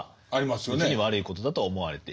別に悪いことだとは思われていない。